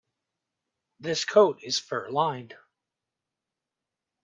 This coat is fur-lined.